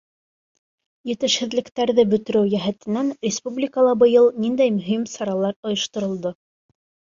Етешһеҙлектәрҙе бөтөрөү йәһәтенән республикала быйыл ниндәй мөһим саралар ойошторолдо.